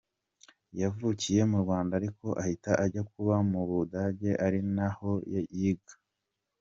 Yavukiye mu Rwanda ariko ahita ajya kuba mu Budage ari naho yiga .